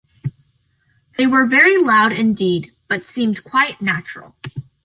They were very loud indeed, but seemed quite natural.